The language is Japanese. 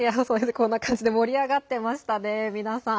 こんな感じで盛り上がってましたね、皆さん。